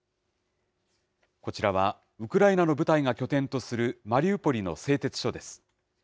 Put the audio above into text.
こちらはウクライナの部隊が拠点とするマリウポリの製鉄所です。